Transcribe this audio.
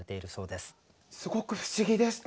すごく不思議でした。